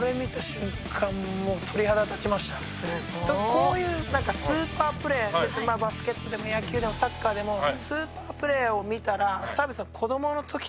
「こういうなんかスーパープレー別にバスケットでも野球でもサッカーでもスーパープレーを見たら澤部さん子どもの時とか」